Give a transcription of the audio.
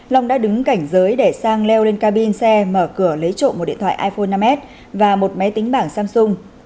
long đã đứng cảnh giới để sang leo lên cabin xe mở cửa lấy trộm một điện thoại iphone năm s và một máy tính bảng samsung